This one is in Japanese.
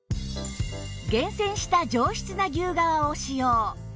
厳選した上質な牛革を使用